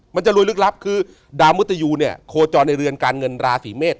มันจะรวยลึกลับคือดาวมุตยูเนี่ยโคจรในเรือนการเงินราศีเมษ